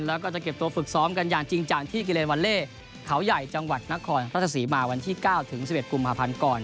แล้วก็จะเก็บตัวฝึกซ้อมกันอย่างจริงจังที่กิเลนวาเล่เขาใหญ่จังหวัดนครราชศรีมาวันที่๙ถึง๑๑กุมภาพันธ์ก่อน